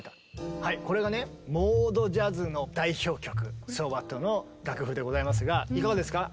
はいこれがねモード・ジャズの代表曲「ＳｏＷｈａｔ」の楽譜でございますがいかがですか？